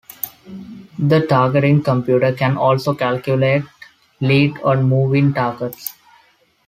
The targeting computer can also calculate lead on moving targets.